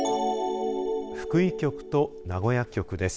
福井局と名古屋局です。